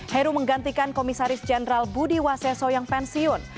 heru menggantikan komisaris jenderal budi waseso yang pensiun